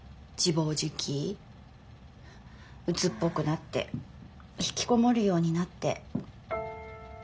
うつっぽくなってひきこもるようになって。